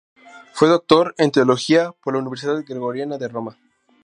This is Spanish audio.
Fue doctor en Teología por la Universidad Gregoriana de Roma.